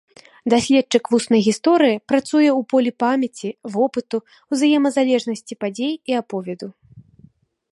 Даследчык вуснай гісторыі працуе ў полі памяці, вопыту, узаемазалежнасці падзей і аповеду.